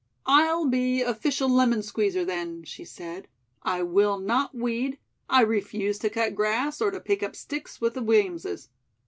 "I'll be official lemon squeezer, then," she said. "I will not weed; I refuse to cut grass, or to pick up sticks with the Williamses.